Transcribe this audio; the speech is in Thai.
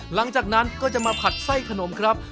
หลังจากนั้นก็จะมาผัดไส้ขนมครับ